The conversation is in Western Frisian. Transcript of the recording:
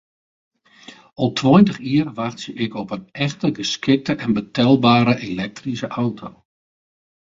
Al tweintich jier wachtsje ik op in echt geskikte en betelbere elektryske auto.